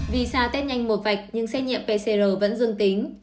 vì xa test nhanh một vạch nhưng xét nghiệm pcr vẫn dương tính